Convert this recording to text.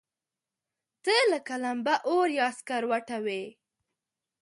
ته لکه لمبه، اور يا سکروټه وې